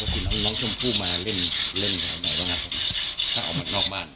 แล้วปกติน้องชมพู่มาเล่นเล่นอะไรนะครับผมถ้าออกมานอกบ้าน